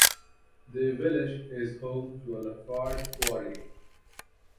The village is home to a Lafarge quarry.